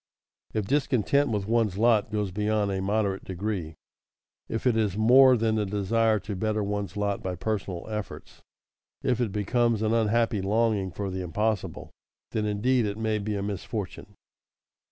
If discontent with one's lot goes beyond a moderate degree, if it is more than the desire to better one's lot by personal efforts, if it becomes an unhappy longing for the impossible, then indeed it may be a misfortune.